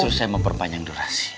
justru saya mau perpanjang durasi